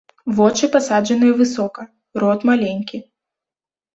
Вочы пасаджаныя высока, рот маленькі.